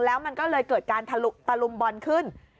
แล้วมันก็เลยเกิดการตะลุมบอลขึ้น